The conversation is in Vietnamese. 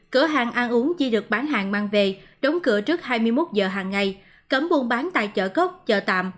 cửa hàng ăn uống chỉ được bán hàng mang về đóng cửa trước hai mươi một giờ hàng ngày cấm buôn bán tại chợ cốc chợ tạm